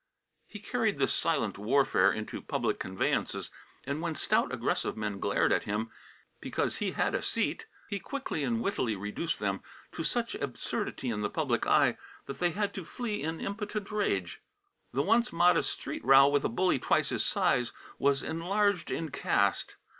He carried this silent warfare into public conveyances and when stout aggressive men glared at him because he had a seat he quickly and wittily reduced them to such absurdity in the public eye that they had to flee in impotent rage. The once modest street row with a bully twice his size was enlarged in cast.